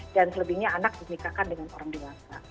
dan selebihnya anak menikahkan dengan orang dewasa